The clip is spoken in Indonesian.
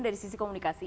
dari sisi komunikasi